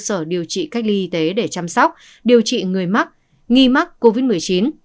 cơ sở điều trị cách ly y tế để chăm sóc điều trị người mắc nghi mắc covid một mươi chín